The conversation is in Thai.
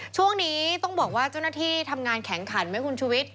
ช่วงนี้ต้องบอกว่าเจ้าหน้าที่ทำงานแข็งขันไหมคุณชุวิต